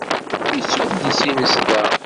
Yettu adlis-nnes da.